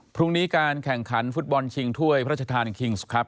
พรุ่งนี้การแข่งขันฟุตบอลชิงถ้วยพระราชทานคิงส์ครับ